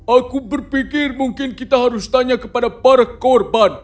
aku berpikir mungkin kita harus tanya kepada para korban